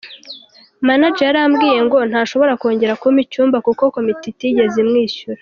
Manager yarambwiye ngo ntashobora kongera kumpa icyumba, kuko komite itigeze imwishyura.